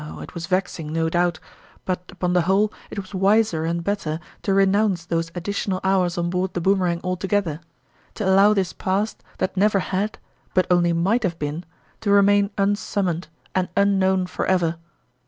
it was vexing, no doubt ; but upon the whole, it was wiser and better to renounce those addi tional hours on board the Boomerang alto gether to allow this past, that never had, but only might have been, to remain unsummoned and unknown forever.